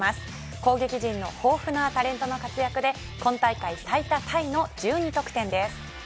攻撃陣の豊富なタレントの活躍で今大会最多タイの１２得点です。